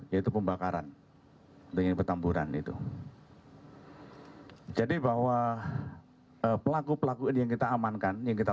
dua ratus tujuh belas yaitu pembakaran dengan petamburan itu jadi bahwa pelaku pelaku ini yang kita amankan yang kita